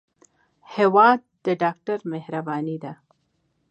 هېواد د ډاکټر مهرباني ده.